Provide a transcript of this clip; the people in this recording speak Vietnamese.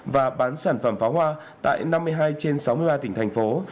và bán sản phẩm pháo hoa tại năm mươi hai trên sáu mươi ba tỉnh thành phố